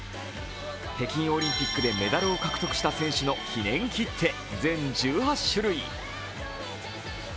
北京オリンピックでメダルを獲得した選手の記念切手、全１８種類。